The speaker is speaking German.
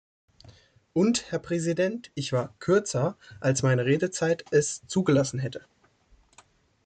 Und, Herr Präsident, ich war "kürzer" als meine Redezeit es zugelassen hätte.